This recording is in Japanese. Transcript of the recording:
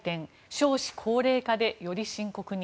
少子高齢化で、より深刻に。